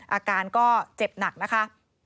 อาการก็เจ็บหนักนะคะ